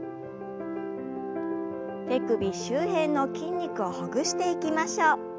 手首周辺の筋肉をほぐしていきましょう。